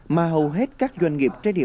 mà hầu hết các doanh nghiệp trên đất nước